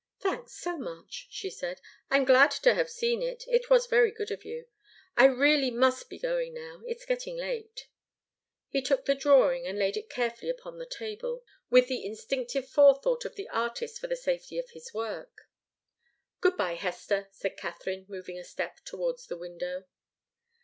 "Thanks, so much," she said. "I'm glad to have seen it. It was so good of you. I really must be going now. It's getting late." He took the drawing and laid it carefully upon the table, with the instinctive forethought of the artist for the safety of his work. "Good bye, Hester," said Katharine, moving a step towards the window.